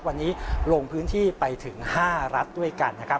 วันนี้ลงพื้นที่ไปถึง๕รัฐด้วยกันนะครับ